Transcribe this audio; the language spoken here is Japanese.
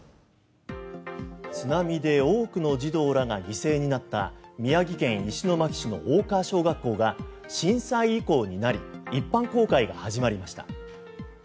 津波で多くの児童らが犠牲になった宮城県石巻市の大川小学校が震災遺構になり一般公開が始まりました。